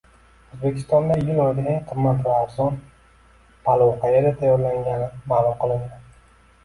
O‘zbekistonda iyul oyida eng qimmat va arzon palov qayerda tayyorlangani ma’lum qilindi